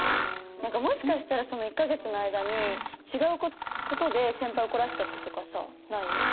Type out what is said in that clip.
もしかしたらその１か月の間に違う事で先輩怒らせちゃったとかさない？